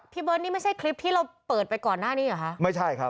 เบิร์ตนี่ไม่ใช่คลิปที่เราเปิดไปก่อนหน้านี้เหรอคะไม่ใช่ครับ